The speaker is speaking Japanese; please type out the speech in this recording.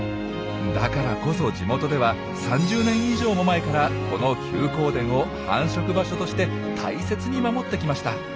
だからこそ地元では３０年以上も前からこの休耕田を繁殖場所として大切に守ってきました。